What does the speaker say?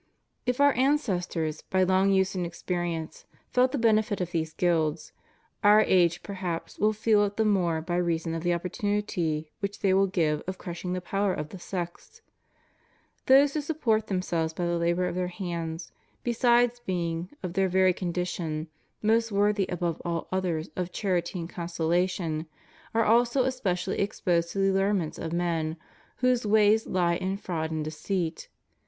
If our ancestors, by long use and experience, felt the benefit of these guilds, our age perhaps will feel it the more by reason of the opportunity which they will give of crushing the power of the sects. Those who support themselves by the labor of their hands, besides being, by their very condition, most worthy above all others of charity and consolation, are also especially exposed to the allurements of men whose ways he in fraud and deceit.